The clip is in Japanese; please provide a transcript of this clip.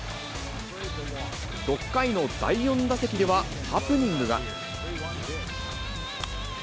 ６回の第４打席では、ハプニングが。